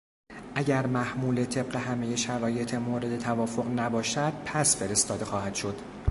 اگر محموله طبق همهی شرایط مورد توافق نباشد پس فرستاده خواهد شد.